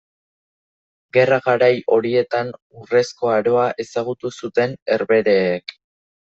Gerra garai horietan, urrezko aroa ezagutu zuten Herbehereek.